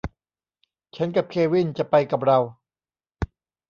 ฉันกับเควินจะไปกับเรา